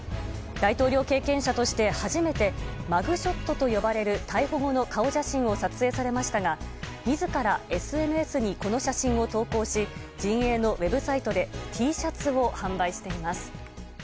大統領経験者として初めて、マグショットと呼ばれる逮捕後の顔写真を撮影されましたが、みずからＳＮＳにこの写真を投稿し、陣営のウェブサイトでＴシャツを販売しています。